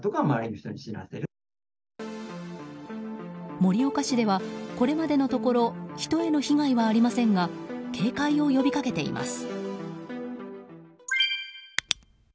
盛岡市ではこれまでのところ人への被害はありませんが警戒を呼びかけています。